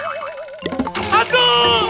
aduh aduh aduh